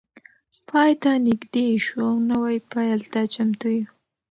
پای ته نږدې شو او نوی پیل ته چمتو یو.